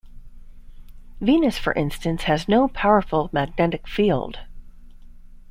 Venus, for instance, has no powerful magnetic field.